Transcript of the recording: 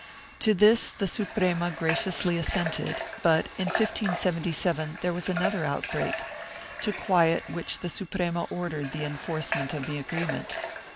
To this the Suprema gra ciously assented, but, in 1577, there was another outbreak, to quiet which the Suprema ordered the enforcement of the agreement.